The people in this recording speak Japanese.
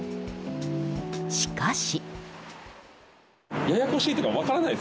しかし。